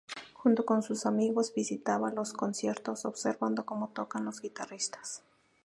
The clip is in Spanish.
Junto con sus amigos visitaba los conciertos, observando como tocan los guitarristas.